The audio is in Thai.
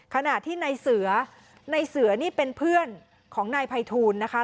ขนาดที่นายเสือนี่เป็นเพื่อนของนายภัยทูลนะคะ